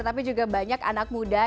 tapi juga banyak anak muda